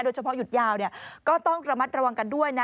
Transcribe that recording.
เฉพาะหยุดยาวก็ต้องระมัดระวังกันด้วยนะ